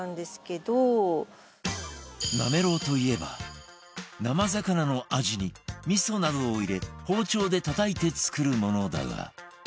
なめろうといえば生魚のアジに味噌などを入れ包丁でたたいて作るものだが